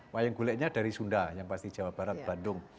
wayang guleknya dari sunda yang pasti jawa barat bandung